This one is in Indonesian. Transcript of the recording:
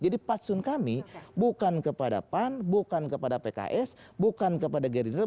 patsun kami bukan kepada pan bukan kepada pks bukan kepada gerindra